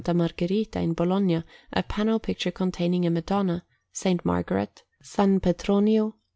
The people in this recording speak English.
Margherita, in Bologna, a panel picture containing a Madonna, S. Margaret, S. Petronio, S.